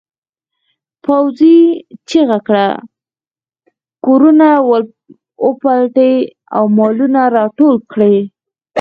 پوځي چیغه کړه کورونه وپلټئ او مالونه راټول کړئ.